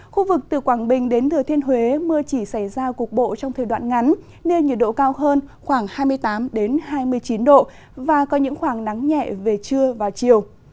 khu vực từ quảng bình đến thừa thiên huế mưa chỉ xảy ra cục bộ trong thời đoạn ngắn nên nhiệt độ cao hơn khoảng hai mươi tám hai mươi chín độ và có những khoảng nắng nhẹ về trưa và chiều